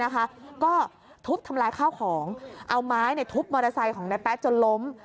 ก็ทุบทำลายข้าวของเอาไม้ทุบมอเตอร์ไซค์ของนายแป๊ะจนล้ม